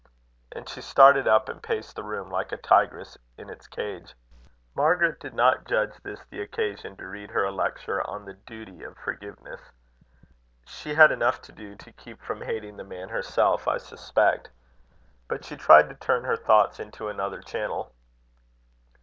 And she started up and paced the room like a tigress in its cage. Margaret did not judge this the occasion to read her a lecture on the duty of forgiveness. She had enough to do to keep from hating the man herself, I suspect. But she tried to turn her thoughts into another channel.